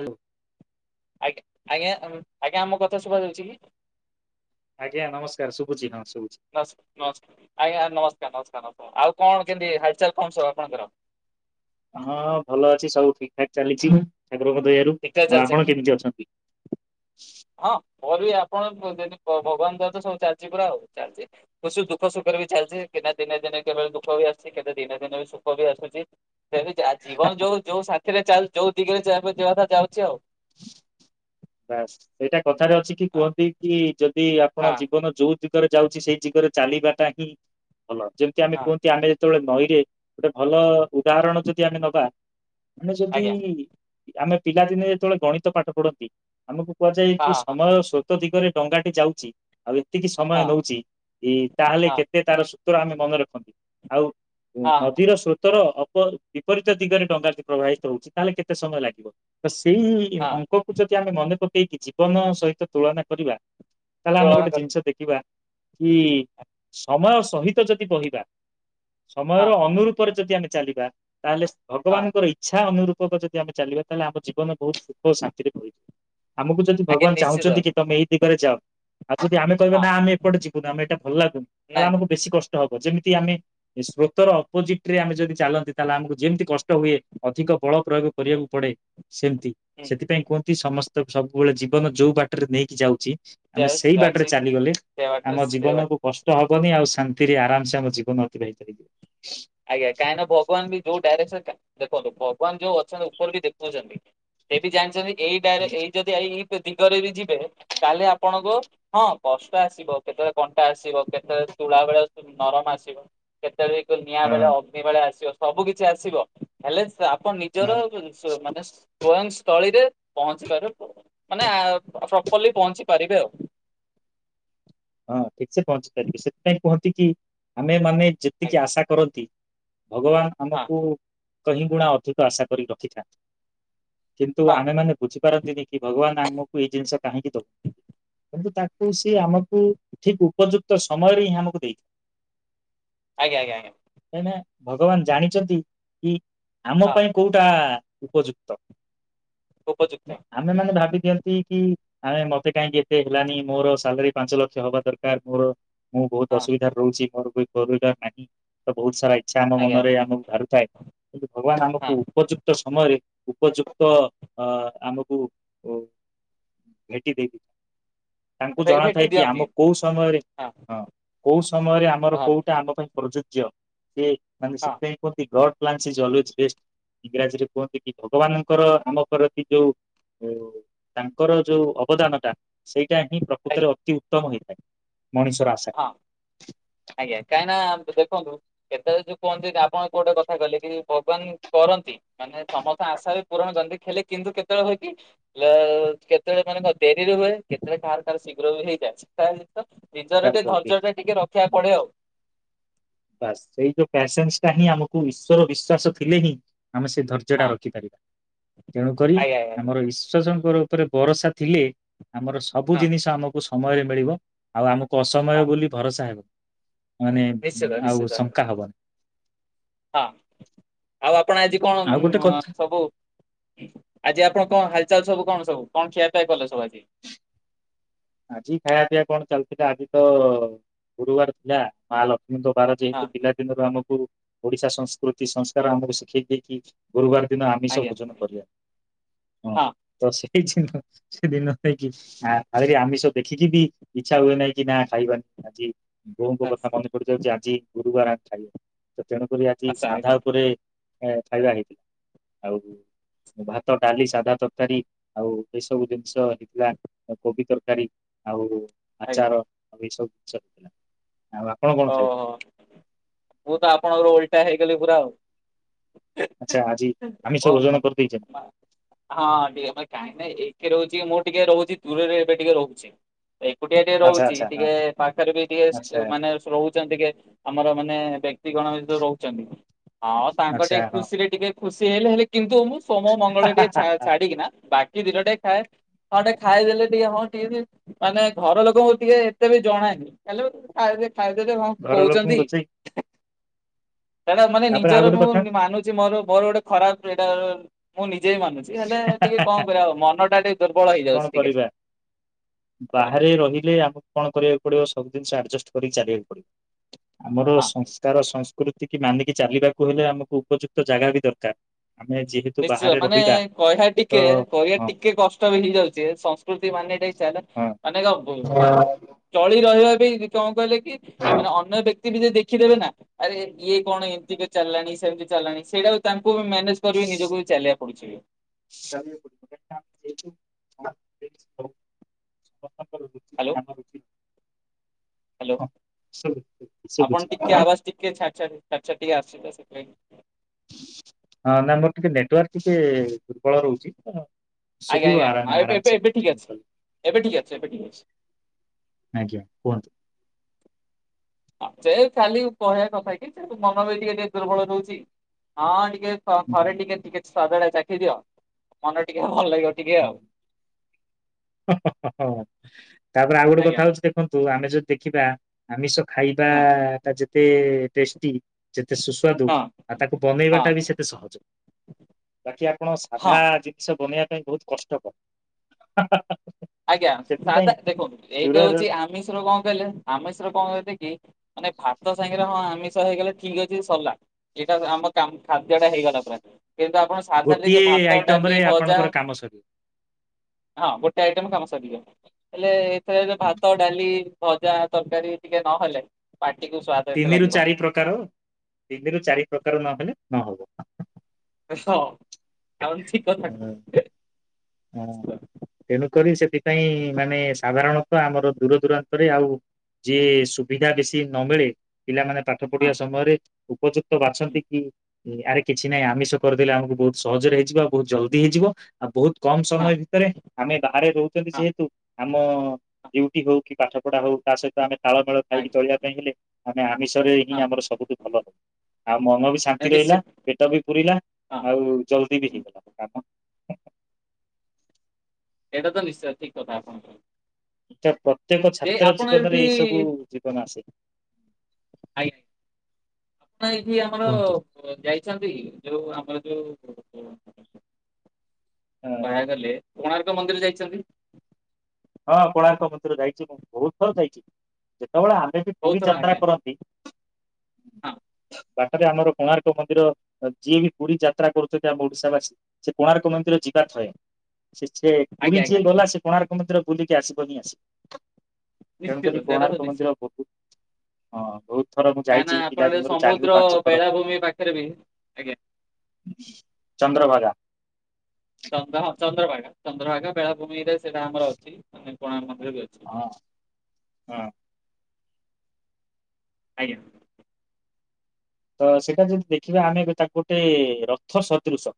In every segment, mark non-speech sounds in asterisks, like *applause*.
Hello ଆଜ୍ଞା। ଆଜ୍ଞା, ଆମ କଥା ଶୁଭ ଯାଉଛି କି? ଆଜ୍ଞା, ନମସ୍କାର ଶୁଭୁଚି ନମସ୍କାର। ସ୍ *unintelligible* ନମସ୍କାର, ଆଜ୍ଞା ନମସ୍କାର, ନମସ୍କାର, ନମସ୍କାର। ଆଉ କଣ କେମିତି ହାଲଚାଲ କଣ ସବୁ ଆପଣଙ୍କର ହଁ ଭଲ ଅଛି, ସବୁ ଠିକଠାକ ଚାଲିଛି। ଠାକୁରଙ୍କ ଦୟାରୁ, ଠିକ୍ ଠାକ୍ ଆଉ ଚାଲିଛି ଆପଣ କେମିତି ଅଛନ୍ତି? ହଁ। ମୋର ବି ଆପଣ ଯଦି ଭଗବାନ ଦୟା ରୁ ସବୁ ଚାଲିଛି ପୁରା, ଆଉ ଚାଲିଛି, ଖୁସି, ଦୁଃଖ, ସୁଖରେ ବି ଚାଲିଛି। କେତେ ଦିନେ ଦିନେ, କେବେଳ ଦୁଃଖ ବି ଆସୁଛି, କେତେ ଦିନେ ଦିନେ, ବି ସୁଖ ବି ଆସୁଛି। ସେ ଜୀବନ ଯୋଉ ଯୋଉ ସାଥିରେ ଯୋଉ ଦିଗରେ ଯିବାଥା ଯାଉଛି ଆଉ ବାସ ସେଇଟା କଥାରେ ଅଛି କି, ହଁ କୁହନ୍ତି କି, ଯଦି- ଯ ଆପଣ ହଁ ଜୀବନ ଯୋଉ ଦିଗରେ ଯାଉଛି, ସେଇ ଦିଗରେ ଚାଲିବାଟା ହିଁ ଭଲ। ଯେମିତି ଆମେ ହଁ କୁହନ୍ତି, ଆମେ ଯେତେବେଳେ ନଈରେ ଗୋଟେ ଭଲ ଉଦାହରଣ ଯଦି ଆମେ ନବା ମାନେ ଯଦି ଆଜ୍ଞା ଆମେ ପିଲାଦିନେ ଯେତେବେଳେ ଗଣିତ ପାଠ ପଢନ୍ତି। ଆମକୁ କୁହାଯାଏ କି ହଁ ହଁ ସମୟ ସ୍ରୋତ ଦିଗରେ ଡଙ୍ଗାଟି ଯାଉଛି, ଆଉ ଏତିକି ସମୟ ହଁ ନଉଛି, ତାହେଲେ ହଁ କେତେ ତାର ସୂତ୍ର ଆମେ ମନେ ରଖନ୍ତି ଆଉ ହଁ ନଦୀର ସ୍ରୋତର ବିପରୀତ ଦିଗରେ ଡଙ୍ଗା ଟି ପ୍ରବାହିତ ହଉଛି, ତାହେଲେ କେତେ ସମୟ ଲାଗିବ ତ ସେଇ? ହଁ ଅଙ୍କକୁ ଯଦି ଆମେ ମନେ ପକେଇକି ଜୀବନ ସହିତ ତୁଳନା କରିବା ତାହେଲେ ଆମେ ତୁଳନା ଗୋଟେ କରି ଜିନିଷ ଦେଖିବା କି ସମୟ ସହିତ ଯଦି ବହିବା ହଁ ସମୟର ଅନୁରୂପରେ ଯଦି ଆମେ ଚାଲିବା। ତାହେଲେ ହଁ ଭଗାନଙ୍କ ଇଚ୍ଛା ଅନୁରୂପକ ଯଦି ଆମେ ଚାଲିବା ତାହେଲେ ଆମ ଜୀବନ ବହୁତ ଖରେ ଶାନ୍ତିରେ ଭରି ଆମକୁ ଯଦି ଆଜ୍ଞା ଭଗବାନ ନିଶ୍ଚିତ ଚାହୁଁଛନ୍ତି କି ତମେ ଏଇ ଦିଗରେ ଯାଅ। ଆଉ ଯଦି ଆମ କହିବା ହଁ ନା ଆମ ଏଟେ ଯୁ ଆମ ଏଇଟ ଭଲ ଲାଗୁନ ନାଇଁ ତାହେଲେ ନାଇଁ ଆମକୁ ବେଶୀ କଷ୍ଟ ହବ। ଯେମିତି ଆମେ ସ୍ରୋତର ଅପୋଜିଟ ରେ ଆମେ ଯଦି ଚାଲନ୍ତି ତାହେଲେ ଆମକୁ ଯେମିତି କଷ୍ଟ ହୁଏ ଅଧିକ ବଳ ପ୍ରୟୋଗ ହୁଁ କରିବାକୁ ପଡେ ସେମତି ହୁଁ। ସେଥିପାଇଁ କୁହନ୍ତି ସମସ୍ତେ ତ ସବୁବେଳେ ଜୀବନ ଯୋଉ ବାଟରେ ନେଇକି ଯାଉଛି ଆମେ ସେଇ ବାଟରେ ଯାଉଛି ଚାଲିଗଲେ ସେ ବାଟରେ ଆମ ସେ ବାଟ ଜୀବନକୁୁ କଷ୍ଟ ହବ ବନି ଆଉ ଶାନ୍ତିରେ ଆରାମସ ଆମ ଜୀବନ ଅତିବହିତ ହେଇଯିବ। ଆଜ୍ଞା କାହିଁକ ଭଗବାନ ବି ଯଉ ଡାଇରେ ଭଗବାନ ଯୋଉ ଅଛନ୍ତି ଉପର ବି ଦେଖୁଛନ୍ତି ସେ ବି ଜାଣିଛନ୍ତି ଏଇଡ ଏଇ ଯଦି ଏଇ ଦିଗରେ ବି ଯିବେ କହଲେ ଆପଣଙ୍କ ହଁ କଷ୍ଟ ଆସିବ କେତେବେଳେ କଣ୍ଟା ଆସିବ କେତେବେଳେ ତୁଳା ବେଳେ ନରମ ଆସିବ କେତେବେଳେ କେ ନିଆଁ ହଁ ବେଳେ ଅଗ୍ନି ବେଳେ ଆସିବ ସବୁ କିଛି ଆସିବ ହେଲେ ଆପଣ ହଁ ନିଜର ମାନେ ବୟସ୍ଥଳୀରେ ପହଞ୍ଚି ପାରିବେ ମାନେ ପ୍ରପରଲି ପହଞ୍ଚି ପାରିବେ ଆଉ। ହଁ ଠିକ ସେ ପହଞ୍ଚି ପାରିବି ସେଥିପାଇଁ କହନ୍ତିକି ଆମେ ମାନେ ଆଜ୍ଞା ଯେତିକି ଆଶା କରନ୍ତି। ଭଗବାନ ହଁ ଆମକୁ କେଇ ଗୁଣା ଅଧିକ ଆଶା କରି ରଖିଥାନ୍ତି। କିନ୍ତୁ ହଁ ଆମେମାନୋନେ ବୁଝିପାରନ୍ତିନି କି ଭଗବାନ ଆମକୁ ଏଇ ଜିନିଷ କାହିଁକି ଦଉ କିନ୍ତୁ ତାକ ସେ ଆମକୁ ଠିକ ଉପଯୁକ୍ତ ସମୟରେ ହିଁ ଆମକୁ ଦେଇଥିବେ। ଆଜ୍ଞା ଆଜ୍ଞା ଆଜ୍ଞା। ନା ଭଗବାନ ଜାଣିଛନ୍ତି କି ଆମ ହଁ ପାଇଁ କୋଉଟା ଉପଯୁକ୍ତ ଉପଯୁକ୍ତ। ଆମେମାନେ ଭାବି ଦିଅନ୍ତ୍ କି ଆମେ ମତେ କାହିଁକି ଏତେ ହେଲାନି ମୋର ସାଲାରୀ ପାଞ୍ଚ ଲକ୍ଷ ହବା ଦରକାର ମୋର ମୁଁ ହଁ ବହୁତ ଅସୁବିଧ ରହୁଛି ମୋର ପରିବାର ନାହିଁ ତ ବହୁତ ସାରା ଇଚ୍ଛା ଆମ ଆଜ୍ଞା ମନରେ ଆମକୁ ଧାରୁଥାଏ କିନ୍ତୁ ଭଗବାନ ଆମକୁ ଆଜ୍ଞା, ଉପଯୁକ୍ତ ସମୟରେ ଉପଯୁକ୍ତ ଅ ଆମକୁ ଭେଟି ଦେବେ। ତାଙ୍କୁ ହଁ ଭେ ଜଣା ଭେଟି ଥାଏ କି ଦିଅନ୍ତି ଆମ କୋଉ ସମୟରେ ହଁ କୋଉ ସମୟରେ ଆମର ହଁ କୋଉଟା ଆମ ପାଇଁ ପ୍ରଯୁକ୍ତ୍ ଯ୍ୟ ସେ ମାନେ ହଁ ସେଥିପାଇଁ କୁ ଗ *unintelligible* ଇଂରାଜିରେ କୁହନ୍ତି କି ଭଗବାନଙ୍କର ଆମ ଯୋଉ ହୋଓ ତାଙ୍କର ଯୋଉ ଅବଦାନ ଟା। ସେଇଟା ହିଁ ଆଜ୍ଞା ପ୍ରକୃତରେ ଅତି ଉତ୍ତମ ହୋଇଥାଏ। ହଁ ଆଜ୍ଞା କାଇଁ ନା ଖନ୍ତୁ ସେତେବେଳେ ଯୋଉ କୁହନ୍ତି ଆପଣ କୂ ଗୋଟେ କଥା କହଲେ କି ଭଗବାନ କରନ୍ତି ମାନେ ସମସ୍ତେ ଆଶା ପୁରାଣ କରନ୍ତି ଖେଲେ କିନ୍ତୁ କେତେବେଳେ ହେଛି କେତେବେଳେ ମାନେ ଡେରିରେ ହୁଏ କେତେବେଳେ କାହାର କଣ ଶୀଘ୍ର ବି ହେଇଯାଇଛି ତା ନିଜର ଟିକେ ଧର୍ଯ୍ୟ ଟା ଟିକେ ରଖିବାକୁ ପଡେ ଆଉ। ବାସ ସେଇ ଯୋଉ ପସନ୍ସ ଟା ହିଁ ଆମକୁ ଈଶଵର ବିଶ୍ଵାସ ଥିଲେ ହିଁ ଆମେ ସେ ଧୈର୍ଯ୍ୟ ହଁ ଟା ରଖିପାରିବା ତେଣୁ କରି ଆଜ୍ଞା ଆଜ୍ଞା ଆଜ୍ଞା ଆମର ବିଶ୍ୱାସ ଉପରେ ଭରସା ଥିଲେ ଆମର ସବୁ ହଁ ଜିନିଷ ଆମକୁ ସମୟରେ ମିଳିବ ଆଉ ଆମ ହଁ ଅସମୟ ବୋଲି ଭରସା ହେବ। ମାନେ ନିଶ୍ଚିତ ଆଉ ନିଶ୍ଚିତ ଶଙ୍କା ହବନି। ହଁ ଆଉ ଆ କୁଆଡେ ଆଜି ଆଉ ଗୋଟେ କଣ କଥା ସବୁ ଆଜି ଆପଣ କଣ ହାଲଚାଲ ସବୁ କଣ ସବୁ କଣ ଖିଆ ପାଇଁ କଲେ ସବୁ ଆଜି ଆଜି ଖାଇବା ପିଇବା କଣ ଚାଲିଥିଲା ଆଜି ତ ଗୁରୁବାର ଥିଲା ମା ଲକ୍ଷ୍ମୀ ବାର ହଁ ଯେହତୁ ପିଲା ଦିନରୁ ଆମକୁ ଓଡିଶା ସଂସ୍କୃତି ସଂସ୍କାର ଆମକୁ ଶିଖେଇ ଦେଇକି ଗୁରୁବାରେ ଦିନ ଆମିଷ ଆଜ୍ଞା ଭୋଜନ କରିବା। ହଁ ତ ସେ କିଛି ନୁହଁ। ସେଦିନ ନୁହଁକି ଆ ଆମେ ତ ଦେଖିକି ବି ଇଚ୍ଛା ହୁଏ ନାହିଁ। କି ନା ଖାଇବାନି ଆଜି ବୋଉଙ୍କ କଥା ବାସ୍ ମନେ ପଡିଯାଉଛି। ଆଜି ଗୁରୁବାର ଆମ ଖାଇବାନି। ତ ତେଣୁକରି ଆଜି ଆଶା ସାଧା ଆଜ୍ଞା ଉପରେ ଖାଇବା ହେଇଥିଲା। ଆଉ ଭାତ ଡାଲି ସାଧା ତରକାରୀ ଆଉ ଏ ସବୁ ଜିନିଷ ହେଇଥିଲା। କୋବି ତରକାରୀ ଆଉ ଆଜ୍ଞା ଆଚାର ଏ ସବୁ *unintelligible* ଥିଲା। ଓହୋ ମୁଁ ତ ଆପଣଙ୍କର ଓଲଟା ହେଇଗଲି ପୁରା ଆଉ। ଆଚ୍ଛା ଆଜି ଆମିଷ ଓ ଭୋଜନ *unintelligible* କରିଦେଇଛନ୍ତି ହଁ ଟିକେ କାହିଁ ନାଇଁ ଏ ଟିକେ ରହୁଛି। ମୁଁ ଟିକେ ରହୁଛି ଦୂରରେ ଏବେ ଟିକେ ରହୁଛି। ଏକୁଟିଆ ଟିକେ ଆଚ୍ଛା ରହୁଛି। ଆଚ୍ଛା ହଁ ଟିକେ ପାଖରେ ବି ଆଚ୍ଛା ଟିକେ ମାନେ ରହୁଛନ୍ତି। କେ ଆମର ମାନେ ବ୍ୟକ୍ତି ଗଣ ରହୁଛନ୍ତି। ହଁ ତାଙ୍କ ଟିକେ ଆଚ୍ଛା ହଁ ଖୁସିରେ ଟିକେ ଖୁସି ହେଲେ ହେଲେ କିନ୍ତୁ ମୁଁ ସୋମ ମଙ୍ଗଳ ଟିକେ ଛା ଛାଡିକିନା ବାକି ଦିନ ଟିକେ ଖାଏ ହଁ ଟିକେ ଖାଇଦେଲେ ଟିକେ ହଁ ଟିକେ ମାନେ ଘର ଲୋକଙ୍କୁ ଟିକେ ଏତେ ବି ଜଣାଏ ଖାଲି *unintelligible* ଖାଇଦେଲେ ହଁ ଘର ଲୋକଙ୍କୁ କହୁଛନ୍ତି। ରୋଷେଇ ସେଟା ମାନେ ତାପରେ ଆଉ ନିଜର ଗୋଟେ ମୁଁ କଥା ମାନୁଛି। ମୋର ମୋର ଗୋଟେ ଖରାପ୍ ଏଇଟା ମୁଁ ନିଜ୍ ନିଜେ ମାନୁଛି ହେଲେ ଟିକେ କଣ କରିବା ମନ ଟା ଟିକେ ଦୁର୍ବଳ ହେଇଯାଉଛି କଣ ଟିକେ କରିବା ଆଜ୍ଞା। ବାହାରେ ରହିଲେ ଆମକୁ କଣ କରିବାକୁ ପଡିବ ସବୁ ଜିନିଷ ଆଡ୍ଜଷ୍ଟ୍ କରିକି ଚାଲିବାକୁ ପଡିବ ଆମର ହଁ ସଂସ୍କାର ତି ମାନିକି ଚାଲିବାକୁ ହେଲେ ଆମକୁ ଉପଯୁକ୍ତ ଜାଗା ବି ଦରକାର। ଆମେ ଯେହେତୁ ନିଶ୍ଚିତ ବାହାରେ ମାନେ ରହିବା କହିବା ତ ଟିକେ କହିବା ହଁ ଟିକେ କଷ୍ଟ ବି ହେଇଯାଉଛି। ସଂସ୍କୃତି ମାନେଟା ଚା ହଁ। ମାନେ ଚଳି ରହିବା କଣ କହିଲେ କି ମାନେ ଅନ୍ୟ ବ୍ୟକ୍ତି ବି ଯ ଦେଖିଦେବେ ନା ଆରେ ଇଏ କଣ ଏମିତି ଚାଲଲାଣି ସେମିତି ଚାଲଲାଣି ସେଇଟା ତାଙ୍କୁ ବି ମ୍ୟାନେଜ କରିବିନି ନିଜ କୁବି ଚାଲିବାକୁ ପଡୁଛି। *unintelligible* ହ୍ୟାଲୋ ହ୍ୟାଲୋ ଶୁଭୁଛି ଆପଣ ହଁ ଟିକେ ଆବାଜ ଟିକେ ଛାଡି ଛାଡି ଛା ଆଛା ଟିକିଏ ଆସିବେ ସେଥିପାଇଁ। ହଁ ନା ମୋର ଟିକେ ନେଟୱାର୍କ ଟିକେ ଦୁର୍ବଳ ରହୁଛି ତ ଆଜ୍ଞା ଶୁଭିବ ଆଜ୍ଞା ଆରାମ ହଁ ଏବେ ଏବେ ଆରାମସେ ଏବେ ଠିକ ଅଛି। ଏବେ ଠିକ ଅଛି ଏବେ ଠିକ ଅଛି। ଆଜ୍ଞା କୁହନ୍ତୁ। ସେ ଖାଲି କହିବା କଥା କି ସେ ମନ ବି ଟିକେ ଟିକେ ଦୁର୍ବଳ ରହୁଛି ହଁ ଟିକେ ଥରେ ଟିକେ ଟିକେ ସ୍ଵାଦ ଟା ଚାଖି ଦିଅ। ମନ ଟିକେ ଭଲ ଲାଗିବ ଟିକେ ଆଉ। ହ ହ ହ ଓ ତାପରେ ଆଉ ଗୋଟେ ଆଜ୍ଞା କଥା ହଉଛି ଦେଖନ୍ତୁ ଆମେ ଯଦି ଦେଖିବା ଆମିଷ ଖାଇବା ହଁ ଟା ଯେତେ ଟେଷ୍ଟି ସେତେ ସୁସ୍ୱାଦୁ ହଁ ଆଉ ତାକୁ ହଁ ବନେଇବାଟା ବି ସେତେ ସହଜ। ବାକି ଆପଣ ହଁ। ସାଧା ଜିନିଷ ବନେଇବା ପାଇଁ ବହୁତ କଷ୍ଟକର। ଆଜ୍ଞା ସେଥିପାଇଁ ସାଧା ଦେଖନ୍ତୁ। ଏକ ଦୂରରେ ହଉଛି ଆମିଶର କଣ କହିଲେ ଆମିଶର କଣ କହେ କି ମାନେ ଭାତ ସାଙ୍ଗରେ ହଁ ଆମିଷ ହେଇଗଲେ ଠିକ ଅଛି ସରିଲା ଏଇଟା ଆମର ଖାଦ୍ୟ ଟା ହେଇଗଲା ପ୍ରାୟ କିନ୍ତୁ ଆପଣ ସାଧା ରେ ଟିକେ ଗୋଟିଏ ଭାତ ଆଇଟମ ଡାଲି ରେ ଭଜା ଆପଣଙ୍କର କାମ ସରିବ ହଁ ଆଇଟମ କାମ ସରିଲା ହେଲେ ଏଥରେ ଭାତ ଡାଲି ଭଜା ତରକାରୀ ଟିକେ ନହେଲେ ପାଟିକୁ ସ୍ଵାଦ ଏତେ ତିନିରୁ ଲାଗିବନି ଚାରି ପ୍ରକାର ତିନିରୁ ଚାରି ପ୍ରକାର ନହେଲେ ନହବ। ସ ଆପଣ ଠିକ କଥା କ ହଁ ତେଣୁ କରି ସେଠି। ପାଇଁ ମାନେ ସାଧାରଣତଃ ଆମର ଦୂର ଦୂରାନ୍ତରେ ଆଉ ଯିଏ ସୁବିଧା ବେଶି ନ ମିଳେ ପିଲାମାନେ ପାଠ ହଁ ପଢିବା ସମୟରେ ଉପଯୁକ୍ତ ବାଛନ୍ତି କି? ଆରେ କିଛି ନାହିଁ ଆମିଷ କରିଦେଲେ ଆମକୁ ବହୁତ ସହଜରେ ହେଇଯିବ। ଆଉ ବହୁତ ଜଲଦି ହେଇଯିବ ଆଉ ବହୁତ କମ ହଁ ସମୟ ଭିତରେ ଆମେ ବାହାରେ ରହୁଛନ୍ତି ହଁ ଯେହେତୁ? ଆମ ଡିଉଟି ହଉ କି ପାଠ ପଢା ହଉ ତା ସହିତ ଆମେ ତାଳମେଳ ଖାଇକି ହଁ ଚଳିବା ପାଇଁ ହେଲେ ଆମେ ଆମିଷରେ ହିଁ ହଁ ଆମର ସବୁଠୁ ଭଲ ହବ। ଆଉ ମନ ବି ଶାନ୍ତି ହଁ ରହିଲା ନିଶ୍ଚିତ ପେଟ ବି ପୁୁରିଲା ହଁ ଆଉ ଜଲଦି ବି ହୁଁ, ହେଇଗଲା କାମ। ହ। ଏଇଟା ତ ନିଶ୍ଚୟ ଠିକ କଥା ଆପଣଙ୍କର। ଏଟା ପ୍ରତ୍ୟେକ ଯେ ଛାତ୍ର ଆପଣ ଜୀବନରେ ଏଇ ସବୁ ଜୀବନ ଆସେ। ଆଇ। ଆପଣ ଏଇଠି ଆମର କୁହନ୍ତୁ। ଯାଇଛନ୍ତିକି ଯୋଉ ଆମର ଯୋଉ କୁହା ଗଲେ କୋଣାର୍କ ମନ୍ଦିର ଯାଇଛନ୍ତି। ହଁ କୋଣାର୍କ ମନ୍ଦିର ଯାଇଚି ମୁଁ ବହୁତ ଥର ଯାଇଚି ଯେତେବେଳେ ଆମେ ବି ବହୁତ ପୁରୀ ଥର ଯାତ୍ରା ଆଜ୍ଞା କରନ୍ତି। ହଁ। ବାଟରେ ଆମର କୋଣାର୍କ ମନ୍ଦିର ଯିଏ ବି ପୁରୀ ଯାତ୍ରା କରୁଚନ୍ତି ଆମ ଓଡିଶା ବାସୀ ସେ କୋଣାର୍କ ମନ୍ଦିର ଯିବା ଥଏ ସେ ସେ ପୁରୀ ଆଜ୍ଞା ଆଜ୍ଞା ଯିଏ ଆଜ୍ଞା ଗଲା ସେ କୋଣାର୍କ ମନ୍ଦିର ବୁଲିକି ଆସିବ ହିଁ ଆସିବ। ନିଶ୍ଚିତ ତେଣୁକରି ସେଇଟା ତ କୋଣାର୍କ ନିଶ୍ଚିତ। ମନ୍ଦିର ବହୁତ ହଁ ବହୁତ। ଥର ମୁଁ କାହିଁକି ନା ଯାଇଛି ଆପଣ ଏ ପିଲାଦିନରୁ ଚାରି ରୁ ସମୁଦ୍ର ପାଞ୍ଚ ଥର ବେଳାଭୂମି ପାଖରେ ବି ଆଜ୍ଞା ଚନ୍ଦ୍ରଭାଗା। ଚ୍ର ହଁ ଚନ୍ଦ୍ରଭାଗା ଚନ୍ଦ୍ରଭାଗା ବେଳାଭୂମି ରେ ସେଇଟା ଆମର ଅଛି ମାନେ କଣ ଆମ ହଁ ହ। ଆଜ୍ଞା। ତ ସେଇଟା ଯଦି ଦେଖିବା ଆମେ ତାକୁ ଗୋଟେ ରଥ ସଦୃଶ।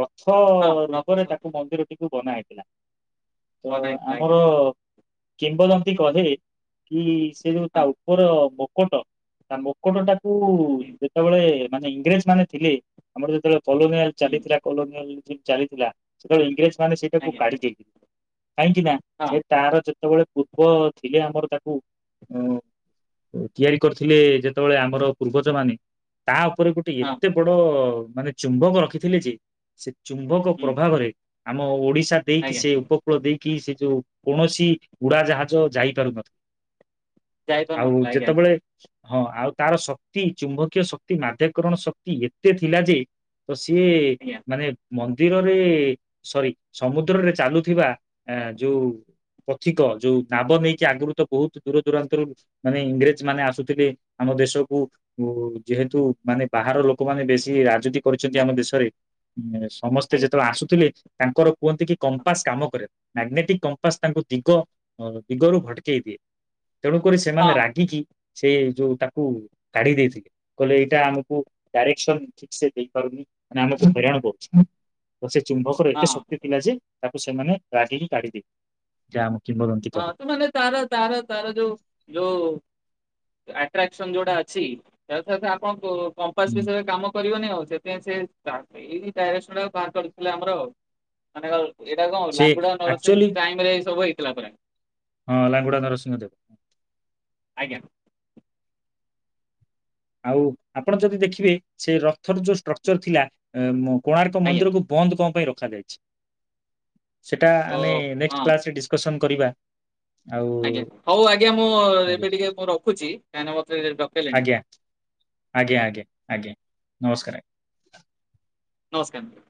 ରଥ ହଁ ରଥ ରୂପରେ ସହ ତାକୁ ମନ୍ଦିରଟିକୁ ବନାଏ। ତ ବନା ହେଇଥିଲା ଆଜ୍ଞା ଆମର କିମ୍ବଦନ୍ତି କହେ କି ସେ ଯୋଉ ତା ହଁ ଉପର ମୁକଟ ତା ମୁକଟ ଟାକୁ ହୁଁ ଯେତେବେଳେ ମାନେ ଇଂରେଜ ମାନେ ଥିଲେ ଆମର ଯେତେବେଳେ କଲୋନିଆଲ ହୁଁ ଚାଲିଥିଲା କଲୋନିୟର ଚାଲିଥିଲା ସେତେବେଳେ ଇଂରେଜ ମାନେ ସେଇଟାକୁ ଆଜ୍ଞା କାଢି ଯାଇଥିଲେ କାହିଁକି ନା ହଁ ସେ ତାର ଯେତେବେଳେ ପୂର୍ବ ଥିଲେ ଆମର ତାକୁ। ତିଆରି କରିଥିଲେ ଯେତେବେଳେ ଆମର ପୂର୍ବଜ ମାନେ। ତା ଉପରେ ଗୋଟେ ହଁ ଏତେ ବଡ ମାନେ ଚୁମ୍ବକ ରଖିଥିଲେ ଯେ ଚୁମ୍ବକ ହୁଁ ପ୍ରଭାବରେ ଆମ ଓଡିଶା ଦେଇକି ଆଜ୍ଞା ସେ ଉପକୂଳ ଦେଇକି ସେ ଯୋଉ କୌଣସି ଉଡାଜାହାଜ ଯାଇପାରୁନଥିଲା ଆଉ ଯାଇପାରୁନଥିଲା ଆଜ୍ଞା ଯେତେବେଳେ ହଁ ଆଉ ତାର ଶକ୍ତି ଚୁମ୍ବକୀୟ ଶକ୍ତି ମାଧ୍ୟକରଣ ଶକ୍ତି ଏତେ ଥିଲା ଯେ ତ ସିଏ ଆଜ୍ଞା ମାନେ ମନ୍ଦିରରେ ସରି ସମୁଦ୍ରରେ ଚାଲୁଥିବା ଆ ଯୋଉ ପଥିକ ଯୋଉ ନାବ ନେଇକି ଆଗରୁ ତ ବହୁତ ଦୂର ଦୂରାନ୍ତରୁ ମାନେ ଇଂରେଜ ମାନେ ଆସୁଥିଲେ ଆମ ଦେଶକୁ। ଓ ଯେହେତୁ ମାନେ ବାହାର ଲୋକମାନେ ବେଶୀ ରାଜୁତି କରିଛନ୍ତି ଆମ ଦେଶରେ। ସମସ୍ତେ ଆଜ୍ଞା ଯେତେବେଳେ ଆସୁଥିଲେ ତାଙ୍କର କୁହନ୍ତି କି କମ୍ପାସ୍ କାମ କରେ ମ୍ୟାାଗ୍ନେଟିକ୍ କମ୍ପାସ ତାଙ୍କୁ ଦିଗ ଦିଗରୁ ଭଟକେଇ ଦିଏ। ତେଣୁକରି ଆଜ୍ଞା ସେମାନେ ହଁ ରାଗିକି ସେ ଯୋଉ ତାକୁ କାଢି ଦେଇଥିଲେ କହିଲେ ଏଇଟା ଆମକୁ ଡାଇରେକ୍ସନ ଠିକ ସେ ଦେଇ ପାରୁନି ମାନେ ଆମକୁ ହଇରାଣ କରୁଚି। ତ ସେ ଚୁମ୍ବକର ଏତେ ହଁ ଶକ୍ତି ଥିଲା ଯେ ତାକୁ ସେମାନେ ରାଗିକି କାଢିଦି ଯା ହଁ ତ ମାନେ ତାର ତାର ତାର ଯୋଉ ଯଉ ଆଟ୍ରାକ୍ସନ ଯୋଉଟା ଅଛି ଆପଣ ହୁଁ। କମ୍ପାସ ବିଷୟରେ କାମ କରିବନି ଆଉ। ସେଥିପାଇଁ ସେ ଏଇ ଡାଇରେକ୍ସନ ବାହାରକରି ଥିଲେ ଆମର ମାନେ ଏଇଟା କଣ ସେ ଲାଙ୍ଗୁଡା ନରସିଂହ ଆକ୍ଚୁଆଲି ଟାଇମ ରେ ଏଇ ସବୁଇଥିଲା ପରେ। ହଁ ଲାଙ୍ଗୁଡା ନରସିଂହ ଦେବ। ଆଜ୍ଞା। ଆଉ ଆପଣ ଯଦି ଦେଖିବେ ସେ ରକ୍ ଥର ଯୋଉ ଷ୍ଟ୍ରକ୍ଚର ଥିଲା ଏ କୋଣାର୍କ ଆଜ୍ଞା ମନ୍ଦିରକୁ ବନ୍ଦ କଣ ପାଇଁ ରଖାଯାଇଛି? ସେଟା ଓ ଆମେ ନେକ୍ସଟ୍ ହଁ କ୍ଲାସରେ ଡିଶ୍କସନ କରିବା ଆଉ ଆଜ୍ଞା ହଉ ଆଜ୍ଞା ମୁଁ ଆଜ୍ଞା। ଏବେ ଟିକେ ମୁଁ ରଖୁଛି କ ମତେ ଡକେଇଲିଣି। ଆଜ୍ଞା ଆଜ୍ଞା ଆଜ୍ଞା ଆଜ୍ଞା ନମସ୍କାର ଆଜ୍ଞା। ନମସ୍କାର।